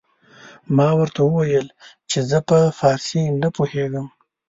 ما ورته وويل چې زه په فارسي نه پوهېږم.